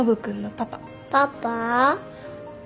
パパ。